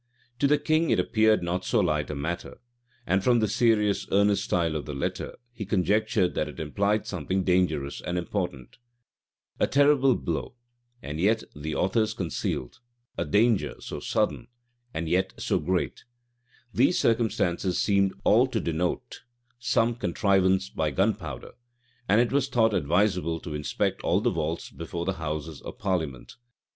To the king it appeared not so light a matter; and from the serious, earnest style of the letter, he conjectured that it implied something dangerous and important A "terrible blow," and yet "the authors concealed;" a danger so "sudden," and yet so "great;" these circumstances seemed all to denote some contrivance by gun powder; and it was thought advisable to inspect all the vaults below the houses of parliament.